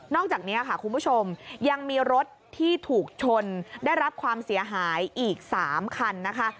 อกจากนี้ค่ะคุณผู้ชมยังมีรถที่ถูกชนได้รับความเสียหายอีก๓คันนะคะ